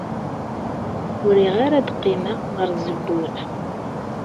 Ur riɣ ara ad qqimeɣ ɣer tzewwut.